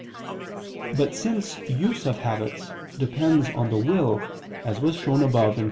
But since use of habits depends on the will, as was shown above (Q.